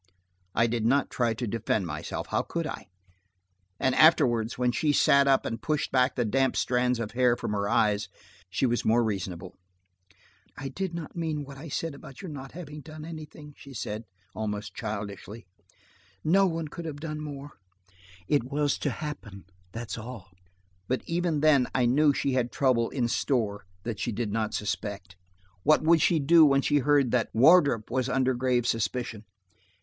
I did not try to defend myself. How could I? And afterward when she sat up and pushed back the damp strands of hair from her eyes, she was more reasonable. "I did not mean what I said about your not having done anything," she said, almost childishly. "No one could have done more. It was to happen, that's all." But even then I knew she had trouble in store that she did not suspect. What would she do when she heard that Wardrop was under grave suspicion?